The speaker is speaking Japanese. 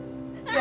や！